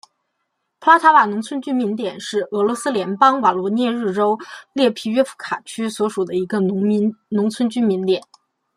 普拉塔瓦农村居民点是俄罗斯联邦沃罗涅日州列皮约夫卡区所属的一个农村居民点。